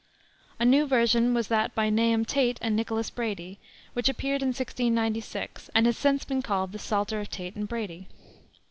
A new version was that by Nahum Tate and Nicholas Brady, which appeared in 1696, and has since been called the Psalter of Tate and Brady.